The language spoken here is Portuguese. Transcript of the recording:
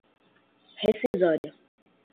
rescisória